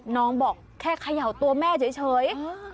น้องบอกครเฉย